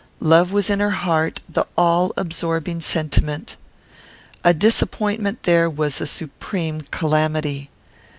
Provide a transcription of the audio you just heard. Love was in her heart the all absorbing sentiment. A disappointment there was a supreme calamity.